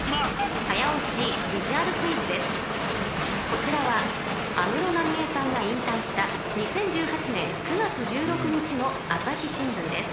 ［こちらは安室奈美恵さんが引退した２０１８年９月１６日の朝日新聞です］